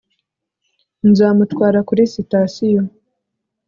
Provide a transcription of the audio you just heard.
nzamutwara kuri sitasiyo